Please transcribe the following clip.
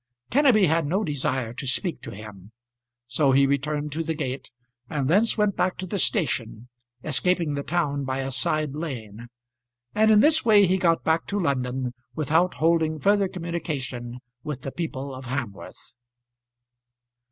Kenneby had no desire to speak to him; so he returned to the gate, and thence went back to the station, escaping the town by a side lane; and in this way he got back to London without holding further communication with the people of Hamworth.